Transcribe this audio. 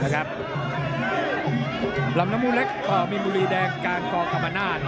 บรรมนมูเล็กมีบุรีแดกการกอกรรมนาฬ